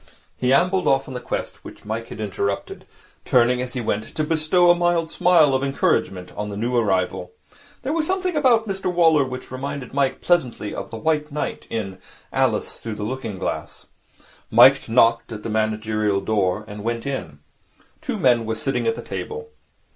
He ambled off on the quest which Mike had interrupted, turning, as he went, to bestow a mild smile of encouragement on the new arrival. There was something about Mr Waller which reminded Mike pleasantly of the White Knight in 'Alice through the Looking glass.' Mike knocked at the managerial door, and went in. Two men were sitting at the table.